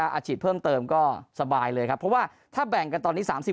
อาจฉีดเพิ่มเติมก็สบายเลยครับเพราะว่าถ้าแบ่งกันตอนนี้๓๐